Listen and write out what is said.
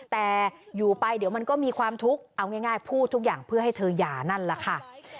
แต่อยู่ไปเดี๋ยวมันก็มีความทุกข์เอาง่ายพูดทุกอย่างเพื่อให้เธอหย่านั่นแหละค่ะ